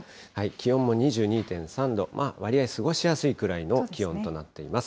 気温も２２．３度、わりあい過ごしやすいくらいの気温となっています。